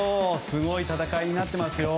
すごい戦いになっていますよ。